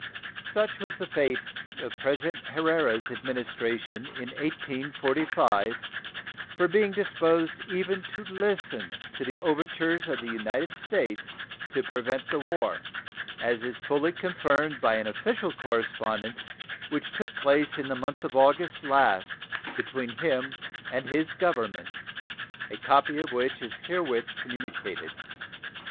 Such was the fate of President Herrera's administration in 1845 for being disposed even to listen to the overtures of the United States to prevent the war, as is fully confirmed by an official correspondence which took place in the month of August last between him and his Government, a copy of which is herewith communicated.